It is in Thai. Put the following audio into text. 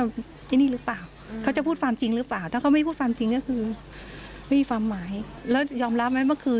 พี่ก็ได้ยินมาพูดว่าเดี๋ยว